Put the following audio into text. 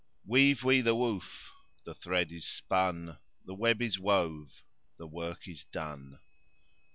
"Weave we the woof. The thread is spun. The web is wove. The work is done."